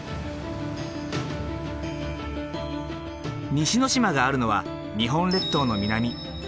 西之島があるのは日本列島の南。